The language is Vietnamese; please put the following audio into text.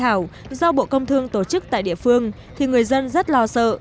các cuộc hội thảo do bộ công thương tổ chức tại địa phương thì người dân rất lo sợ